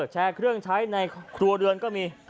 แชร์เครื่องใช้ในครัวเรือนก็มี